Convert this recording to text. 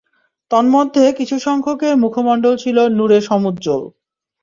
তন্মধ্যে কিছুসংখ্যকের মুখমণ্ডল ছিল নূরে সমুজ্জ্বল।